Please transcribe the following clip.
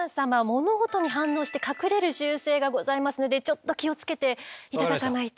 物音に反応して隠れる習性がございますのでちょっと気を付けて頂かないと。